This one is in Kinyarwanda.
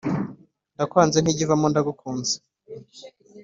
Ndakwanze ntijya ivamo ndagukunze.